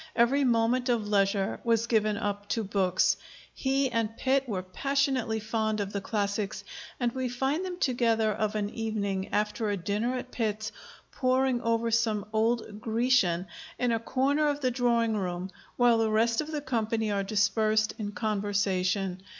Every moment of leisure was given up to books. He and Pitt were passionately fond of the classics, and we find them together of an evening after a dinner at Pitt's, poring over some old Grecian in a corner of the drawing room while the rest of the company are dispersed in conversation....